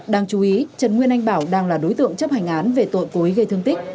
đáng chú ý trần nguyên anh bảo đang là đối tượng chấp hành án về tội cố ý gây thương tích